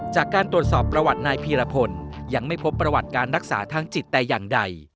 จากการตรวจสอบประวัตินายพีรพลยังไม่พบประวัติการรักษาทางจิตแต่อย่างใด